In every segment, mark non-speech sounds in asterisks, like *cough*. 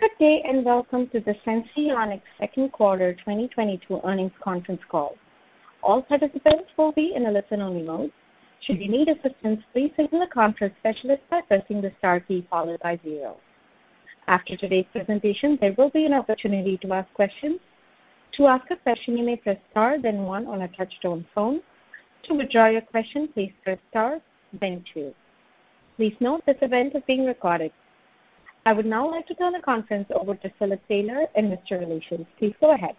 Good day, and welcome to the Senseonics second quarter 2022 earnings conference call. All participants will be in a listen-only mode. Should you need assistance, please signal a conference specialist by pressing the star key followed by zero. After today's presentation, there will be an opportunity to ask questions. To ask a question, you may press star then one on a touch-tone phone. To withdraw your question, please press star then two. Please note this event is being recorded. I would now like to turn the conference over to Philip Taylor, Investor Relations. Please go ahead.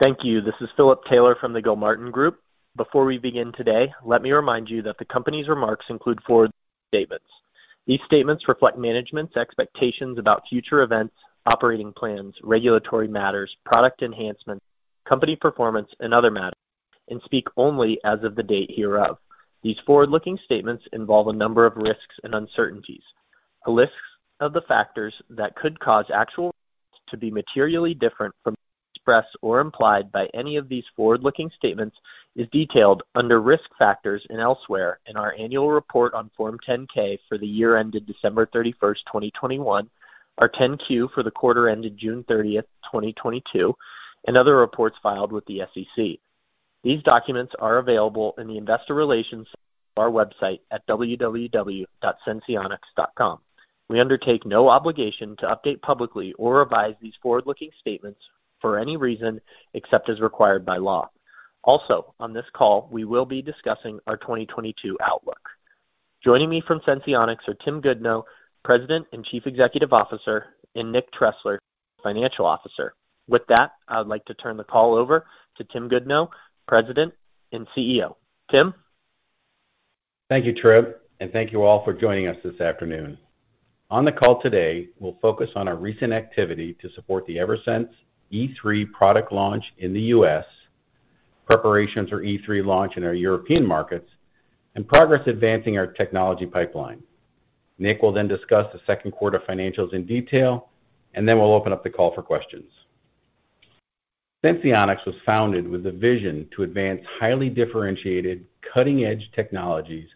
Thank you. This is Philip Taylor from the Gilmartin Group. Before we begin today, let me remind you that the company's remarks include forward-looking statements. These statements reflect management's expectations about future events, operating plans, regulatory matters, product enhancements, company performance, and other matters, and speak only as of the date hereof. These forward-looking statements involve a number of risks and uncertainties. A list of the factors that could cause actual results to be materially different from those expressed or implied by any of these forward-looking statements is detailed under Risk Factors and elsewhere in our annual report on Form 10-K for the year ended December 31, 2021, our 10-Q for the quarter ended June 30, 2022, and other reports filed with the SEC. These documents are available in the investor relations section of our website at www.senseonics.com. We undertake no obligation to update publicly or revise these forward-looking statements for any reason except as required by law. Also on this call, we will be discussing our 2022 outlook. Joining me from Senseonics are Tim Goodnow, President and Chief Executive Officer, and Nick Tressler, Chief Financial Officer. With that, I'd like to turn the call over to Tim Goodnow, President and CEO. Tim? Thank you, Trip, and thank you all for joining us this afternoon. On the call today, we'll focus on our recent activity to support the Eversense E3 product launch in the U.S., preparations for E3 launch in our European markets, and progress advancing our technology pipeline. Nick will then discuss the second quarter financials in detail, and then we'll open up the call for questions. Senseonics was founded with a vision to advance highly differentiated cutting-edge technologies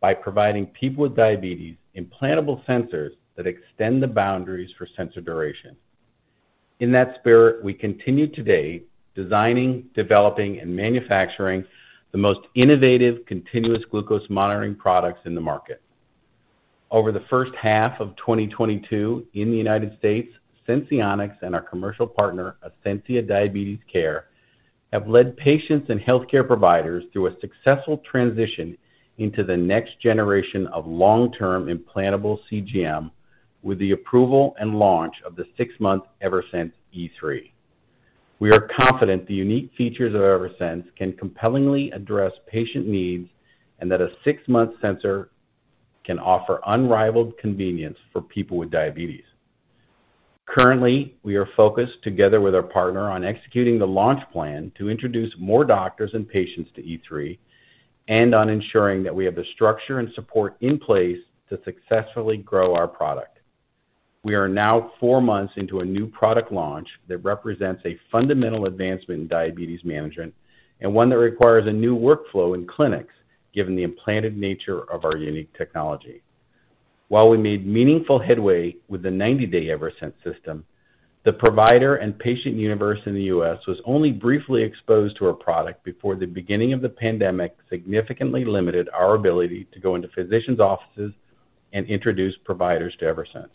by providing people with diabetes implantable sensors that extend the boundaries for sensor duration. In that spirit, we continue today designing, developing, and manufacturing the most innovative continuous glucose monitoring products in the market. Over the first half of 2022 in the United States, Senseonics and our commercial partner, Ascensia Diabetes Care, have led patients and healthcare providers through a successful transition into the next generation of long-term implantable CGM with the approval and launch of the six-month Eversense E3. We are confident the unique features of Eversense can compellingly address patient needs and that a six-month sensor can offer unrivaled convenience for people with diabetes. Currently, we are focused together with our partner on executing the launch plan to introduce more doctors and patients to E3 and on ensuring that we have the structure and support in place to successfully grow our product. We are now four months into a new product launch that represents a fundamental advancement in diabetes management and one that requires a new workflow in clinics given the implanted nature of our unique technology. While we made meaningful headway with the 90-day Eversense system, the provider and patient universe in the U.S. was only briefly exposed to our product before the beginning of the pandemic significantly limited our ability to go into physicians' offices and introduce providers to Eversense.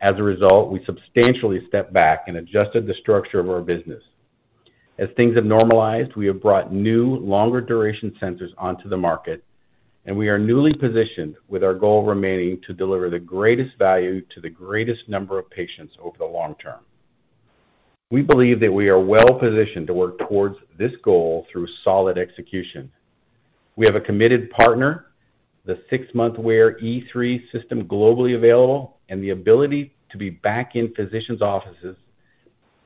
As a result, we substantially stepped back and adjusted the structure of our business. As things have normalized, we have brought new longer duration sensors onto the market, and we are newly positioned with our goal remaining to deliver the greatest value to the greatest number of patients over the long term. We believe that we are well-positioned to work towards this goal through solid execution. We have a committed partner, the six-month Eversense E3 system globally available, and the ability to be back in physicians' offices,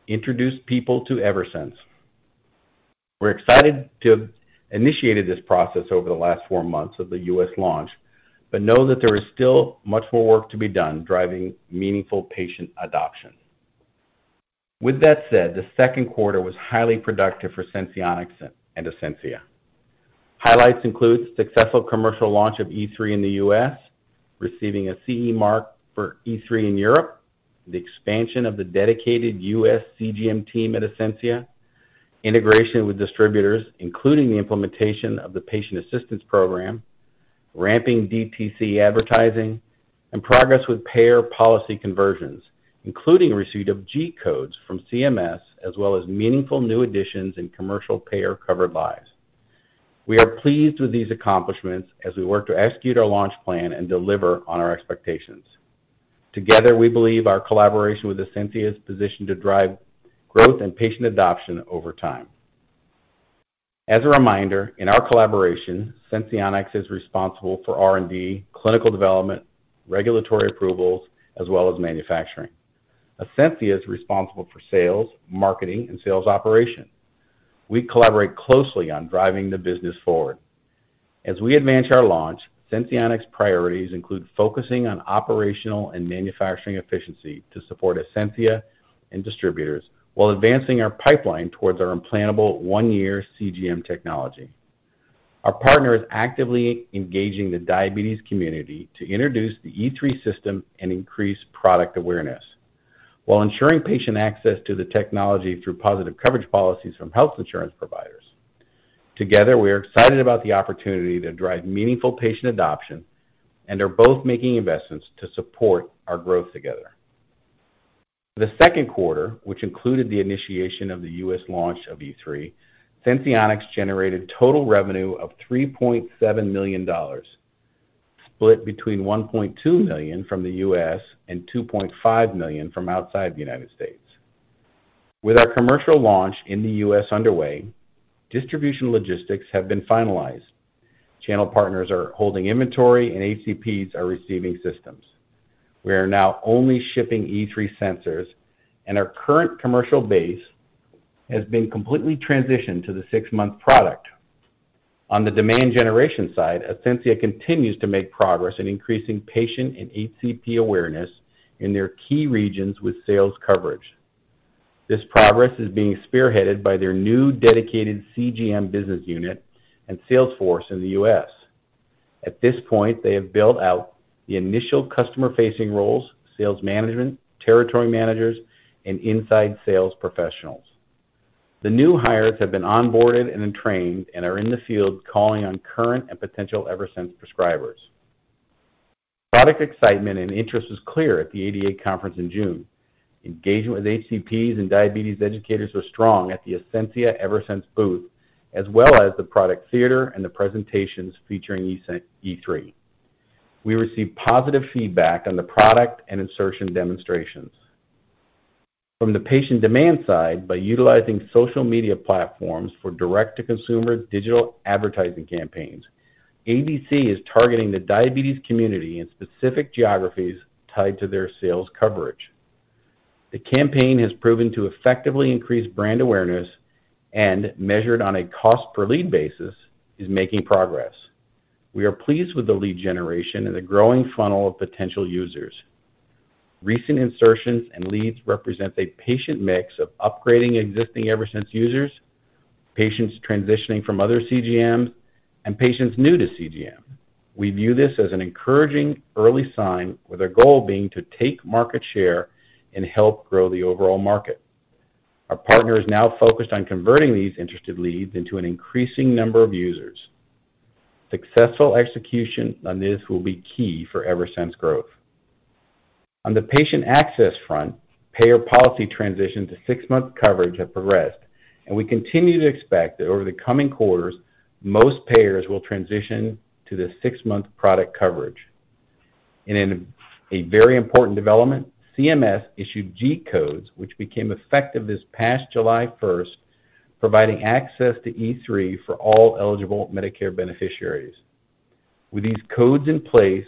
introduce people to Eversense. We're excited to have initiated this process over the last four months of the U.S. launch, but know that there is still much more work to be done driving meaningful patient adoption. With that said, the second quarter was highly productive for Senseonics and Ascensia. Highlights include successful commercial launch of E3 in the U.S., receiving a CE mark for E3 in Europe, the expansion of the dedicated U.S. CGM team at Ascensia, integration with distributors, including the implementation of the patient assistance program, ramping DTC advertising, and progress with payer policy conversions, including receipt of G-codes from CMS, as well as meaningful new additions in commercial payer-covered lives. We are pleased with these accomplishments as we work to execute our launch plan and deliver on our expectations. Together, we believe our collaboration with Ascensia is positioned to drive growth and patient adoption over time. As a reminder, in our collaboration, Senseonics is responsible for R&D, clinical development, regulatory approvals, as well as manufacturing. Ascensia is responsible for sales, marketing, and sales operations. We collaborate closely on driving the business forward. As we advance our launch, Senseonics priorities include focusing on operational and manufacturing efficiency to support Ascensia and distributors while advancing our pipeline towards our implantable one-year CGM technology. Our partner is actively engaging the diabetes community to introduce the E3 system and increase product awareness while ensuring patient access to the technology through positive coverage policies from health insurance providers. Together, we are excited about the opportunity to drive meaningful patient adoption and are both making investments to support our growth together. The second quarter, which included the initiation of the U.S. launch of E3, Senseonics generated total revenue of $3.7 million, split between $1.2 million from the U.S. and $2.5 million from outside the United States. With our commercial launch in the U.S. underway, distribution logistics have been finalized. Channel partners are holding inventory and HCPs are receiving systems. We are now only shipping E3 sensors, and our current commercial base has been completely transitioned to the six-month product. On the demand generation side, Ascensia continues to make progress in increasing patient and HCP awareness in their key regions with sales coverage. This progress is being spearheaded by their new dedicated CGM business unit and sales force in the U.S. At this point, they have built out the initial customer-facing roles, sales management, territory managers, and inside sales professionals. The new hires have been onboarded and trained and are in the field calling on current and potential Eversense prescribers. Product excitement and interest was clear at the ADA conference in June. Engagement with HCPs and diabetes educators were strong at the Ascensia Eversense booth, as well as the product theater and the presentations featuring E3. We received positive feedback on the product and insertion demonstrations. From the patient demand side, by utilizing social media platforms for direct-to-consumer digital advertising campaigns, Ascensia is targeting the diabetes community in specific geographies tied to their sales coverage. The campaign has proven to effectively increase brand awareness and measured on a cost per lead basis is making progress. We are pleased with the lead generation and the growing funnel of potential users. Recent insertions and leads represent a patient mix of upgrading existing Eversense users, patients transitioning from other CGMs, and patients new to CGM. We view this as an encouraging early sign with our goal being to take market share and help grow the overall market. Our partner is now focused on converting these interested leads into an increasing number of users. Successful execution on this will be key for Eversense growth. On the patient access front, payer policy transition to six-month coverage have progressed, and we continue to expect that over the coming quarters, most payers will transition to the six-month product coverage. In a very important development, CMS issued G-codes, which became effective this past July 1, providing access to E3 for all eligible Medicare beneficiaries. With these codes in place,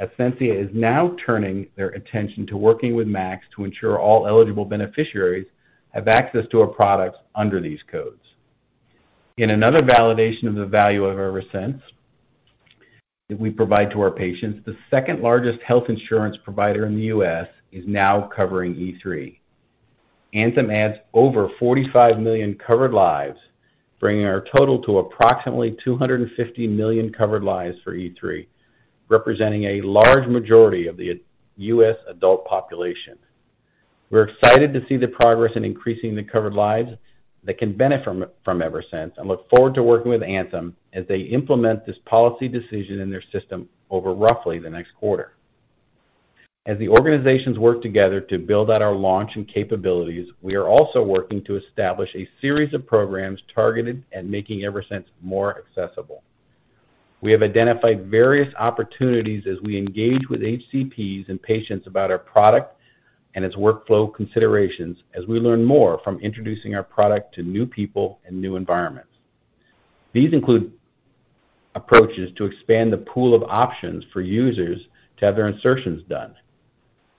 Ascensia is now turning their attention to working with MACs to ensure all eligible beneficiaries have access to our products under these codes. In another validation of the value of Eversense that we provide to our patients, the second-largest health insurance provider in the U.S. is now covering E3. Anthem adds over 45 million covered lives, bringing our total to approximately 250 million covered lives for E3, representing a large majority of the U.S. adult population. We're excited to see the progress in increasing the covered lives that can benefit from Eversense and look forward to working with Anthem as they implement this policy decision in their system over roughly the next quarter. As the organizations work together to build out our launch and capabilities, we are also working to establish a series of programs targeted at making Eversense more accessible. We have identified various opportunities as we engage with HCPs and patients about our product and its workflow considerations as we learn more from introducing our product to new people and new environments. These include approaches to expand the pool of options for users to have their insertions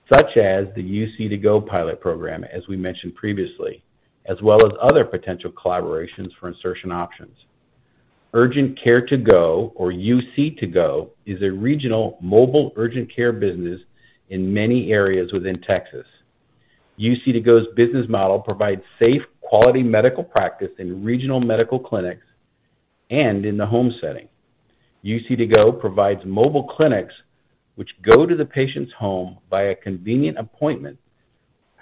done, such as the UC2Go pilot program, as we mentioned previously, as well as other potential collaborations for insertion options. UrgentCare2Go, or UC2Go, is a regional mobile urgent care business in many areas within Texas. UC2Go's business model provides safe, quality medical practice in regional medical clinics and in the home setting. UC2Go provides mobile clinics which go to the patient's home via convenient appointment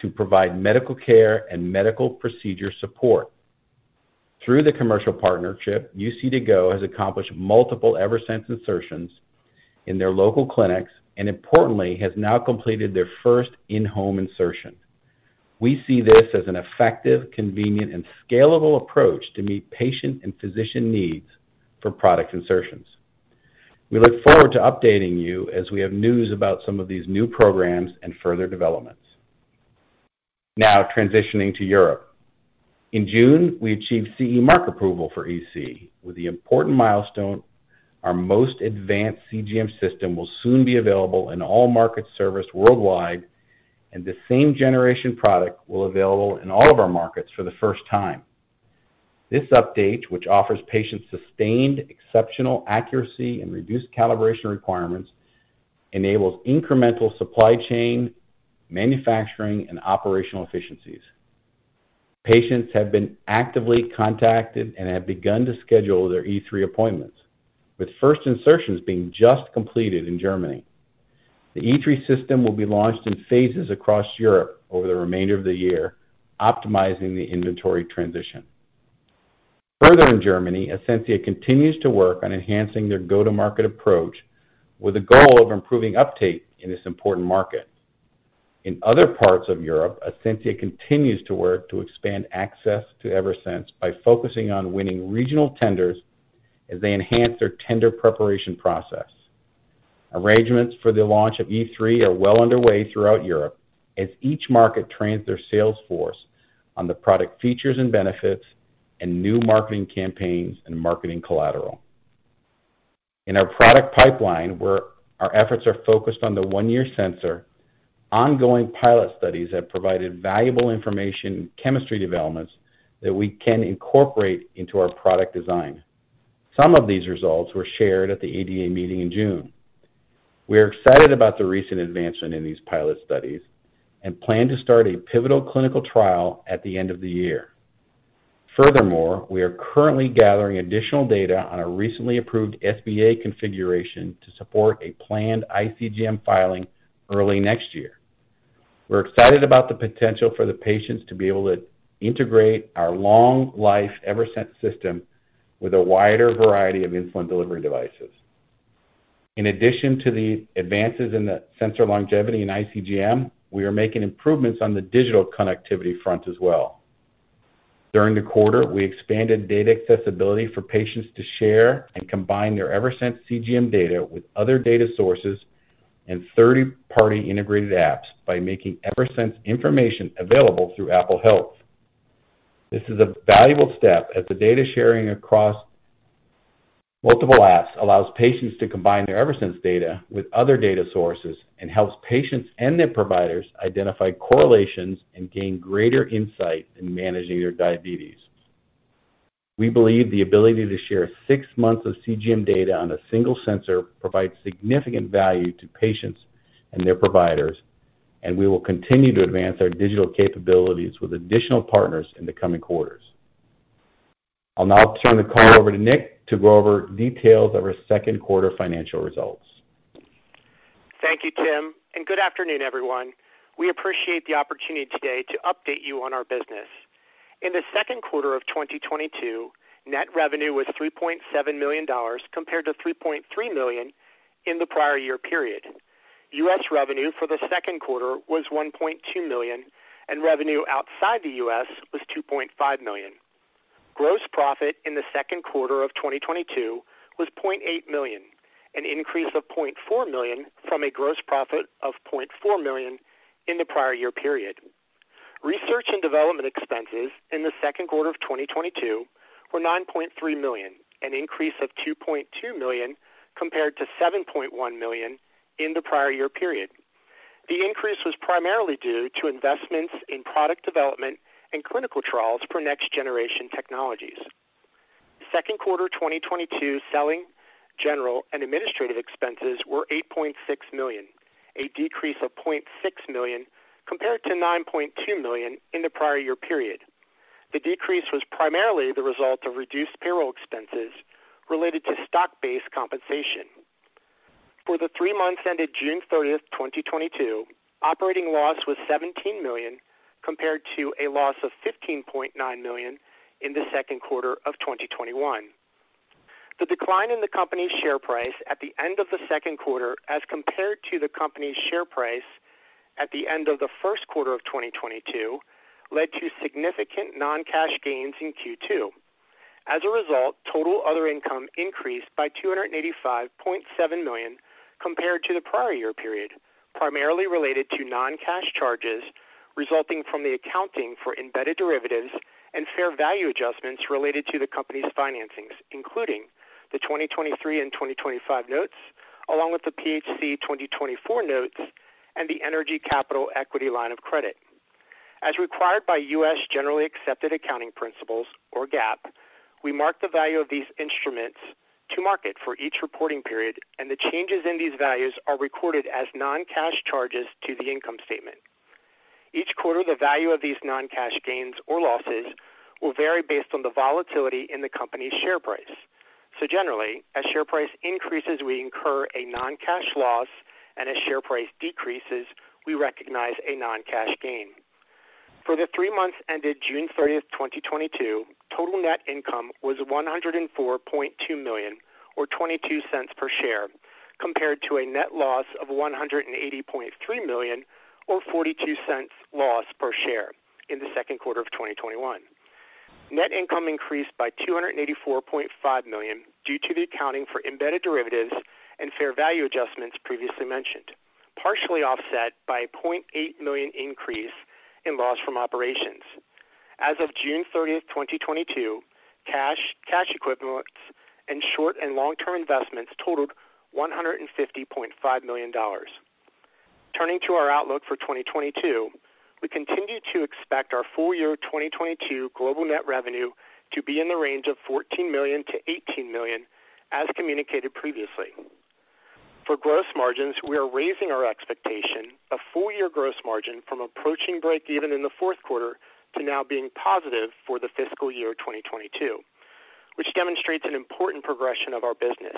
to provide medical care and medical procedure support. Through the commercial partnership, UC2Go has accomplished multiple Eversense insertions in their local clinics and importantly, has now completed their first in-home insertion. We see this as an effective, convenient, and scalable approach to meet patient and physician needs for product insertions. We look forward to updating you as we have news about some of these new programs and further developments. Now transitioning to Europe. In June, we achieved CE mark approval for E3. With the important milestone, our most advanced CGM system will soon be available in all markets serviced worldwide, and the same generation product will be available in all of our markets for the first time. This update, which offers patients sustained exceptional accuracy and reduced calibration requirements, enables incremental supply chain, manufacturing, and operational efficiencies. Patients have been actively contacted and have begun to schedule their E3 appointments, with first insertions being just completed in Germany. The E3 system will be launched in phases across Europe over the remainder of the year, optimizing the inventory transition. Further in Germany, Ascensia continues to work on enhancing their go-to-market approach with a goal of improving uptake in this important market. In other parts of Europe, Ascensia continues to work to expand access to Eversense by focusing on winning regional tenders as they enhance their tender preparation process. Arrangements for the launch of E3 are well underway throughout Europe as each market trains their sales force on the product features and benefits and new marketing campaigns and marketing collateral. In our product pipeline, where our efforts are focused on the one-year sensor, ongoing pilot studies have provided valuable information chemistry developments that we can incorporate into our product design. Some of these results were shared at the ADA meeting in June. We are excited about the recent advancement in these pilot studies and plan to start a pivotal clinical trial at the end of the year. Furthermore, we are currently gathering additional data on a recently approved SBA configuration to support a planned iCGM filing early next year. We're excited about the potential for the patients to be able to integrate our long life Eversense system with a wider variety of insulin delivery devices. In addition to the advances in the sensor longevity and iCGM, we are making improvements on the digital connectivity front as well. During the quarter, we expanded data accessibility for patients to share and combine their Eversense CGM data with other data sources and third-party integrated apps by making Eversense information available through Apple Health. This is a valuable step as the data sharing across multiple apps allows patients to combine their Eversense data with other data sources and helps patients and their providers identify correlations and gain greater insight in managing their diabetes. We believe the ability to share six months of CGM data on a single sensor provides significant value to patients and their providers, and we will continue to advance our digital capabilities with additional partners in the coming quarters. I'll now turn the call over to Nick to go over details of our second quarter financial results. Thank you, Tim, and good afternoon, everyone. We appreciate the opportunity today to update you on our business. In the second quarter of 2022, net revenue was $3.7 million compared to $3.3 million in the prior year period. US revenue for the second quarter was $1.2 million, and revenue outside the US was $2.5 million. Gross profit in the second quarter of 2022 was $0.8 million, an increase of $0.4 million from a gross profit of $0.4 million in the prior year period. Research and development expenses in the second quarter of 2022 were $9.3 million, an increase of $2.2 million compared to $7.1 million in the prior year period. The increase was primarily due to investments in product development and clinical trials for next-generation technologies. Second quarter 2022 selling, general, and administrative expenses were $8.6 million, a decrease of $0.6 million compared to $9.2 million in the prior year period. The decrease was primarily the result of reduced payroll expenses related to stock-based compensation. For the three months ended June 30, 2022, operating loss was $17 million, compared to a loss of $15.9 million in the second quarter of 2021. The decline in the company's share price at the end of the second quarter as compared to the company's share price at the end of the first quarter of 2022 led to significant non-cash gains in Q2. As a result, total other income increased by $285.7 million compared to the prior year period, primarily related to non-cash charges resulting from the accounting for embedded derivatives and fair value adjustments related to the company's financings, including the 2023 and 2025 notes, along with the PHC 2024 notes and the Energy Capital equity line of credit. As required by U.S. generally accepted accounting principles, or GAAP, we mark the value of these instruments to market for each reporting period, and the changes in these values are recorded as non-cash charges to the income statement. Each quarter, the value of these non-cash gains or losses will vary based on the volatility in the company's share price. Generally, as share price increases, we incur a non-cash loss, and as share price decreases, we recognize a non-cash gain. For the three months ended June 30th, 2022, total net income was $104.2 million or $0.22 per share, compared to a net loss of $180.3 million or $0.42 loss per share in the second quarter of 2021. Net income increased by $284.5 million due to the accounting for embedded derivatives and fair value adjustments previously mentioned, partially offset by a $0.8 million increase in loss from operations. As of June 30th, 2022, cash equivalents, and short- and long-term investments totaled $150.5 million. Turning to our outlook for 2022, we continue to expect our full year 2022 global net revenue to be in the range of $14 million-$18 million as communicated previously. For gross margins, we are raising our expectation of full year gross margin from approaching break even in the fourth quarter to now being positive for the fiscal year 2022, which demonstrates an important progression of our business.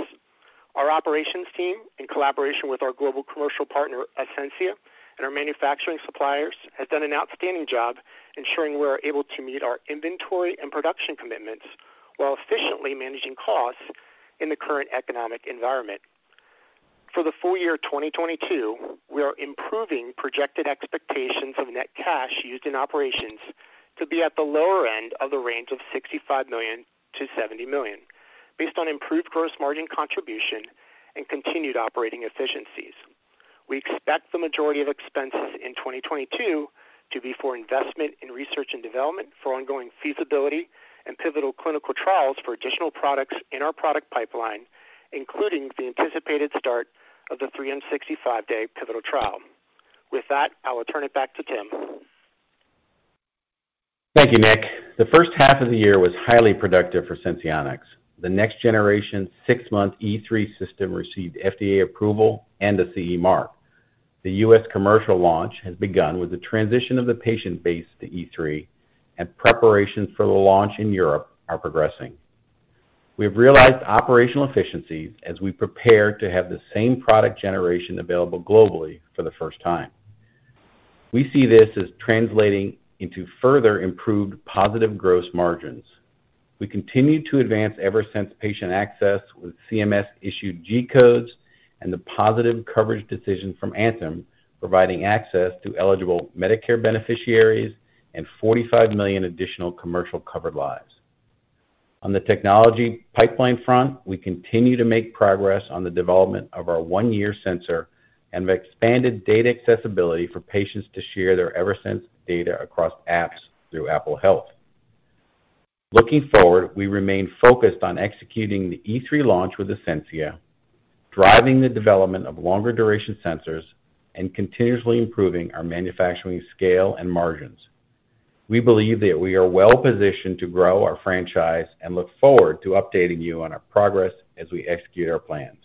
Our operations team, in collaboration with our global commercial partner, Ascensia, and our manufacturing suppliers, has done an outstanding job ensuring we are able to meet our inventory and production commitments while efficiently managing costs in the current economic environment. For the full year 2022, we are improving projected expectations of net cash used in operations to be at the lower end of the range of $65 million-$70 million based on improved gross margin contribution and continued operating efficiencies. We expect the majority of expenses in 2022 to be for investment in research and development for ongoing feasibility and pivotal clinical trials for additional products in our product pipeline, including the anticipated start of the 365-day pivotal trial. With that, I will turn it back to Tim. Thank you, Nick. The first half of the year was highly productive for Senseonics. The next generation six-month E3 system received FDA approval and a CE mark. The U.S. commercial launch has begun with the transition of the patient base to E3 and preparations for the launch in Europe are progressing. We have realized operational efficiencies as we prepare to have the same product generation available globally for the first time. We see this as translating into further improved positive gross margins. We continue to advance Eversense patient access with CMS issued G-codes and the positive coverage decision from Anthem, providing access to eligible Medicare beneficiaries and 45 million additional commercial covered lives. On the technology pipeline front, we continue to make progress on the development of our one-year sensor and expanded data accessibility for patients to share their Eversense data across apps through Apple Health. Looking forward, we remain focused on executing the E3 launch with Ascensia, driving the development of longer duration sensors, and continuously improving our manufacturing scale and margins. We believe that we are well-positioned to grow our franchise and look forward to updating you on our progress as we execute our plans.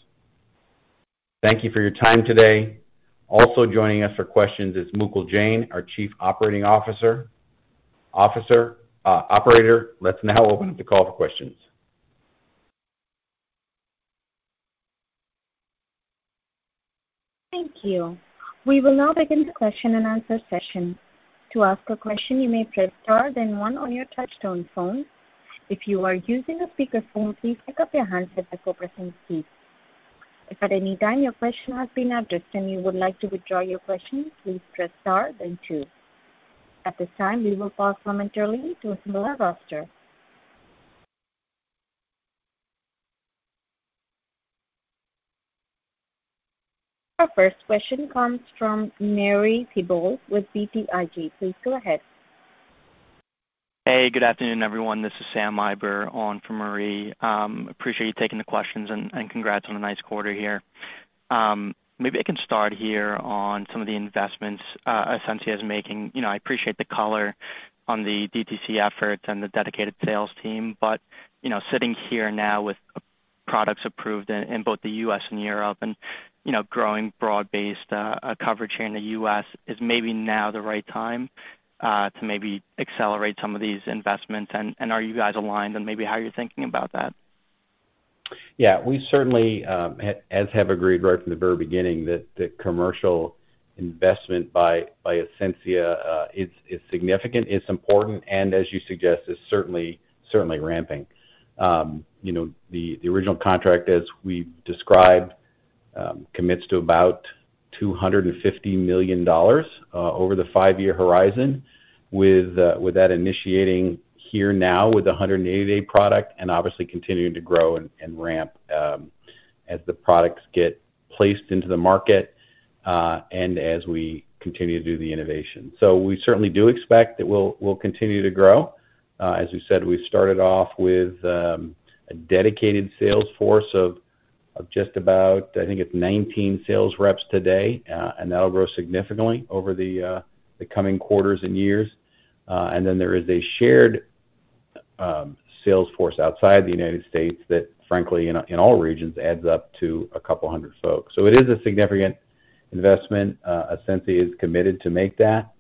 Thank you for your time today. Also joining us for questions is Mukul Jain, our Chief Operating Officer. Operator, let's now open up the call for questions. Thank you. We will now begin the question and answer session. To ask a question, you may press star then one on your touch-tone phone. If you are using a speaker phone, please pick up your handset by pressing keys. If at any time your question has been addressed and you would like to withdraw your question, please press star then two. At this time, we will pause momentarily to assemble our roster. Our first question comes from Marie Thibault with BTIG. Please go ahead. Hey, good afternoon, everyone. This is Sam Eiber on for Marie. Appreciate you taking the questions and congrats on a nice quarter here. Maybe I can start here on some of the investments Ascensia is making. You know, I appreciate the color on the DTC efforts and the dedicated sales team. You know, sitting here now with products approved in both the U.S. and Europe and, you know, growing broad-based coverage here in the U.S., is maybe now the right time to maybe accelerate some of these investments? Are you guys aligned on maybe how you're thinking about that? Yeah. We certainly as have agreed right from the very beginning that the commercial investment by Ascensia is significant, it's important, and as you suggest, is certainly ramping. You know, the original contract, as we described, commits to about $250 million over the five-year horizon, with that initiating here now with the 180 product, and obviously continuing to grow and ramp as the products get placed into the market and as we continue to do the innovation. We certainly do expect that we'll continue to grow. As we said, we started off with a dedicated sales force of just about, I think it's 19 sales reps today. And that'll grow significantly over the coming quarters and years. There is a shared sales force outside the United States that frankly in all regions adds up to a couple hundred folks. It is a significant investment. Ascensia is committed to make that,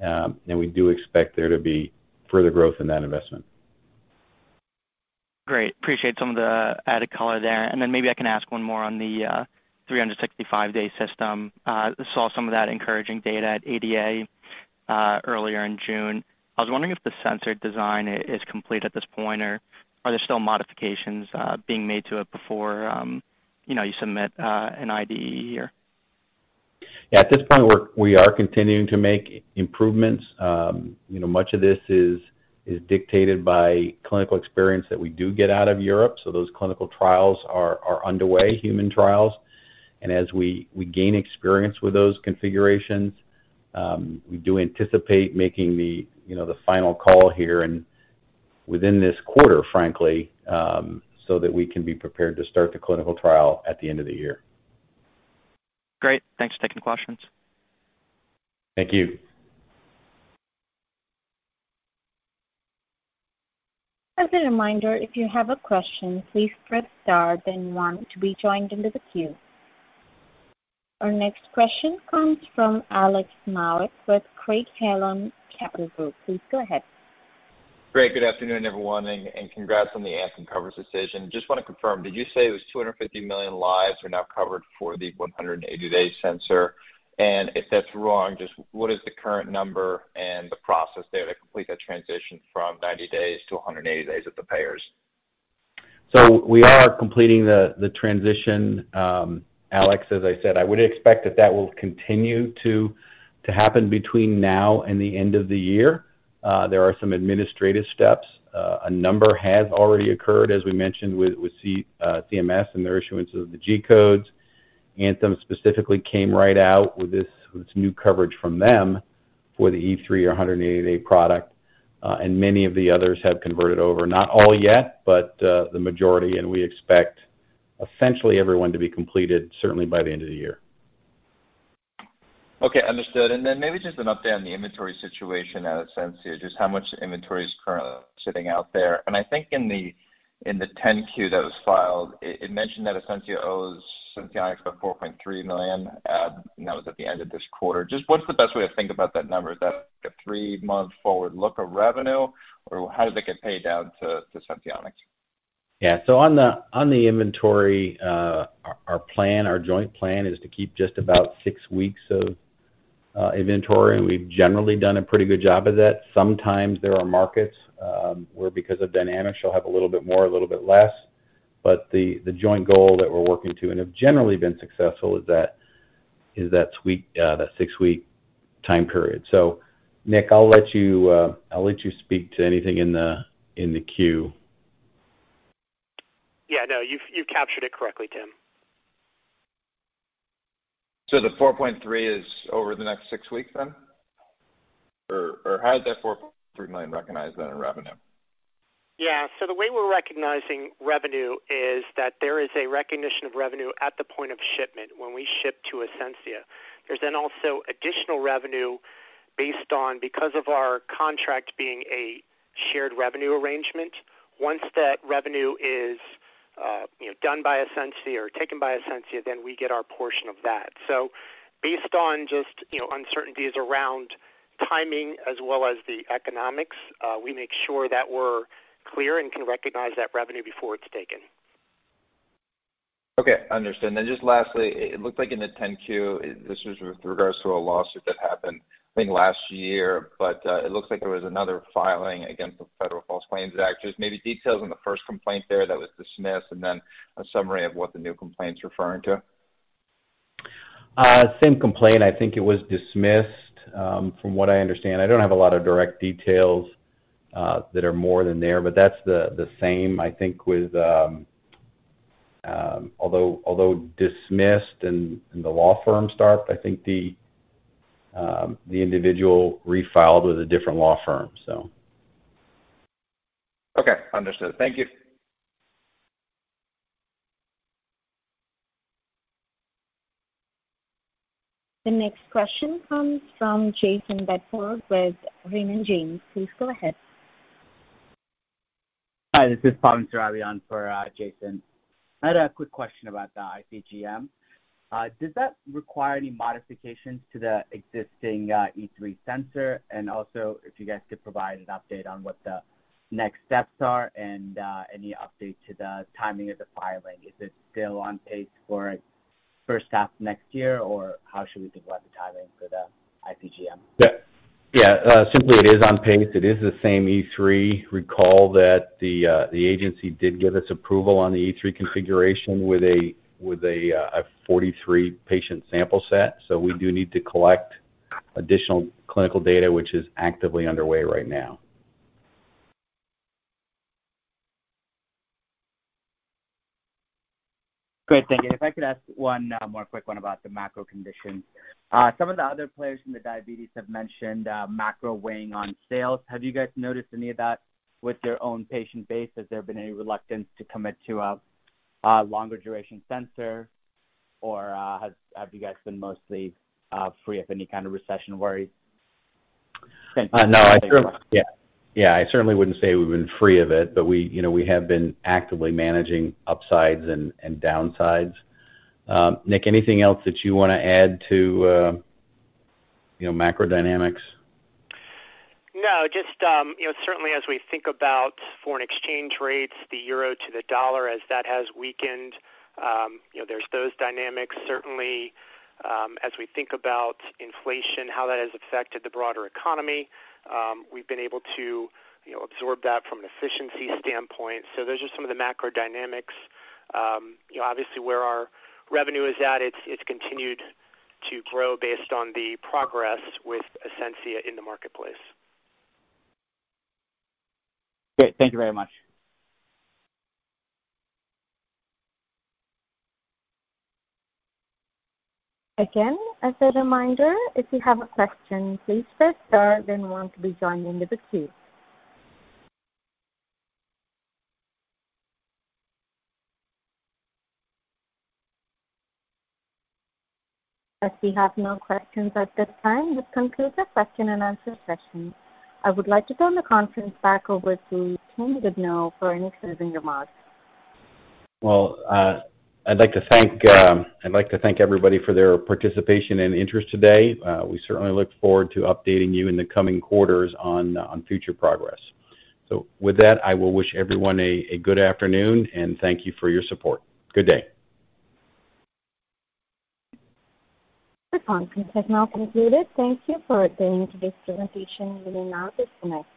and we do expect there to be further growth in that investment. Great. Appreciate some of the added color there. Then maybe I can ask one more on the 365-day system. Saw some of that encouraging data at ADA earlier in June. I was wondering if the sensor design is complete at this point, or are there still modifications being made to it before, you know, you submit an IDE here? Yeah. At this point, we are continuing to make improvements. You know, much of this is dictated by clinical experience that we do get out of Europe. Those clinical trials are underway, human trials. As we gain experience with those configurations, you know, we do anticipate making the final call here and within this quarter, frankly, so that we can be prepared to start the clinical trial at the end of the year. Great. Thanks for taking the questions. Thank you. As a reminder, if you have a question, please press star, then one to be joined into the queue. Our next question comes from Alex Maurer with Craig-Hallum Capital Group. Please go ahead. Great. Good afternoon, everyone, and congrats on the Anthem coverage decision. Just want to confirm, did you say it was 250 million lives are now covered for the 180-day sensor? If that's wrong, just what is the current number and the process there to complete that transition from 90 days to 180 days with the payers? We are completing the transition, Alex. As I said, I would expect that will continue to happen between now and the end of the year. There are some administrative steps. A number has already occurred, as we mentioned, with CMS and their issuance of the G-codes. Anthem specifically came right out with this new coverage from them for the E3 or 180-day product. Many of the others have converted over, not all yet, but the majority, and we expect essentially everyone to be completed certainly by the end of the year. Okay, understood. Maybe just an update on the inventory situation at Ascensia. Just how much inventory is currently sitting out there? I think in the 10-Q that was filed, it mentioned that Ascensia owes Senseonics about $4.3 million. That was at the end of this quarter. Just what's the best way to think about that number? Is that like a three-month forward look of revenue, or how does it get paid down to Senseonics? Yeah. On the inventory, our plan, our joint plan is to keep just about six weeks of inventory, and we've generally done a pretty good job of that. Sometimes there are markets where because of dynamics, you'll have a little bit more, a little bit less. The joint goal that we're working to and have generally been successful is that six-week time period. Nick, I'll let you speak to anything in the queue. Yeah, no, you've captured it correctly, Tim. the $4.3 is over the next six weeks then? Or how is that $4.3 million recognized then in revenue? Yeah. The way we're recognizing revenue is that there is a recognition of revenue at the point of shipment when we ship to Ascensia. There's then also additional revenue based on, because of our contract being a shared revenue arrangement, once that revenue is, you know, done by Ascensia or taken by Ascensia, then we get our portion of that. Based on just, you know, uncertainties around timing as well as the economics, we make sure that we're clear and can recognize that revenue before it's taken. Okay, understood. Then just lastly, it looked like in the 10-Q, this was with regards to a lawsuit that happened I think last year, but it looks like there was another filing against the Federal False Claims Act. Just maybe details on the first complaint there that was dismissed, and then a summary of what the new complaint's referring to. Same complaint. I think it was dismissed, from what I understand. I don't have a lot of direct details that are more than there, but that's the same I think with, although dismissed and the law firm start, I think the individual refiled with a different law firm, so. Okay, understood. Thank you. The next question comes from Jayson Bedford with Raymond James. Please go ahead. Hi, this is *audio distortion* on for Jayson Bedford. I had a quick question about the iCGM. Does that require any modifications to the existing E3 sensor? Also, if you guys could provide an update on what the next steps are and any update to the timing of the filing. Is it still on pace for first half next year, or how should we think about the timing for the iCGM? Yeah, yeah. Simply it is on pace. It is the same E3. Recall that the agency did give us approval on the E3 configuration with a 43-patient sample set. We do need to collect additional clinical data, which is actively underway right now. Great. Thank you. If I could ask one more quick one about the macro conditions. Some of the other players from the diabetes have mentioned macro weighing on sales. Have you guys noticed any of that with your own patient base? Has there been any reluctance to commit to a longer duration sensor? Or, have you guys been mostly free of any kind of recession worries? No, yeah, I certainly wouldn't say we've been free of it. We, you know, we have been actively managing upsides and downsides. Nick, anything else that you wanna add to, you know, macro dynamics? No, just, you know, certainly as we think about foreign exchange rates, the euro to the dollar, as that has weakened, you know, there's those dynamics certainly. As we think about inflation, how that has affected the broader economy, we've been able to, you know, absorb that from an efficiency standpoint. Those are some of the macro dynamics. You know, obviously where our revenue is at, it's continued to grow based on the progress with Ascensia in the marketplace. Great. Thank you very much. Again, as a reminder, if you have a question, please press star then one to be joined into the queue. As we have no questions at this time, this concludes the question and answer session. I would like to turn the conference back over to Tim Goodnow for any closing remarks. Well, I'd like to thank everybody for their participation and interest today. We certainly look forward to updating you in the coming quarters on future progress. With that, I will wish everyone a good afternoon, and thank you for your support. Good day. The conference has now concluded. Thank you for attending today's presentation. You may now disconnect.